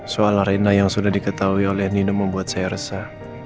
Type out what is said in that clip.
soal arena yang sudah diketahui oleh nina membuat saya resah